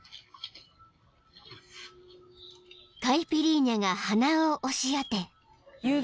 ［カイピリーニャが鼻を押し当て］